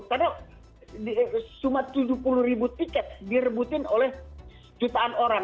karena cuma tujuh puluh ribu tiket direbutin oleh jutaan orang